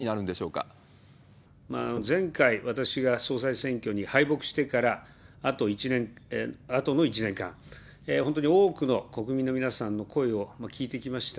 ポイントはどこになる前回、私が総裁選挙に敗北してから、あとの１年間、本当に多くの国民の皆さんの声を聞いてきました。